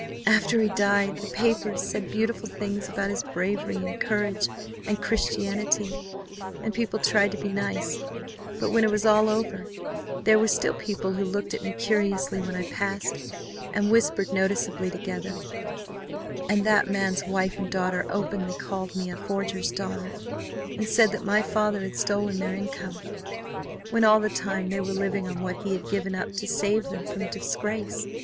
After he died, the papers said beautiful things about his bravery and courage and Christianity, and people tried to be nice, but when it was all over there were still people who looked at me curiously when I passed, and whispered noticeably together; and that man's wife and daughter openly called me a forger's daughter and said that my father had stolen their income, when all the time they were living on what he had given up to save them from disgrace.